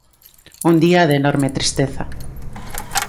Un día de enorme tristeza.